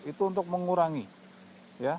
itu untuk mengurangi ya